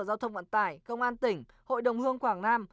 giao thông vận tải công an tỉnh hội đồng hương quảng nam